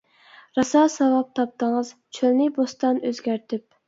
راسا ساۋاب تاپتىڭىز، چۆلنى بوستان، ئۆزگەرتىپ.